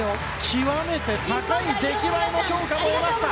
極めて高い出来栄えの評価も得ました。